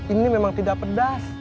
ini memang tidak pedas